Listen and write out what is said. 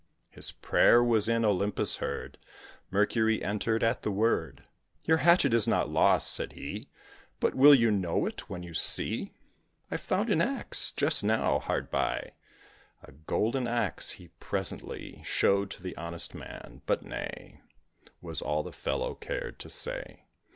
His prayer was in Olympus heard; Mercury entered at the word. "Your hatchet is not lost," said he; "But will you know it, when you see? I found an axe, just now, hard by." A golden axe he presently Showed to the honest man; but "Nay" Was all the fellow cared to say.